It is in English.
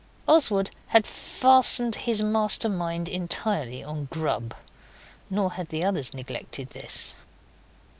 Oswald had fastened his master mind entirely on grub. Nor had the others neglected this.